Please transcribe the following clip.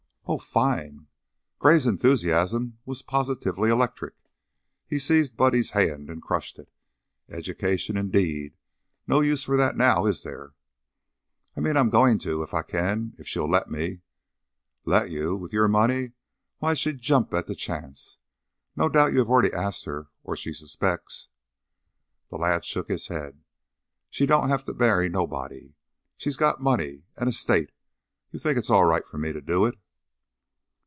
"Oh, fine!" Gray's enthusiasm was positively electric. He seized Buddy's hand and crushed it. "Education, indeed! No use for that now, is there?" "I mean I'm goin' to, if I can; if she'll let me." "Let you? With your money? Why, she'll jump at the chance. No doubt you have already asked her or she suspects " The lad shook his head. "She don't have to marry nobody. She's got money an es tate. You think it's all right for me to do it?"